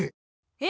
え？